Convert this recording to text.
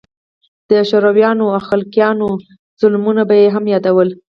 د شورويانو او خلقيانو ظلمونه به يې هم يادول.